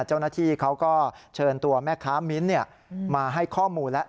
เจ้าหน้าที่เขาก็เชิญตัวแม่ค้ามิ้นมาให้ข้อมูลแล้ว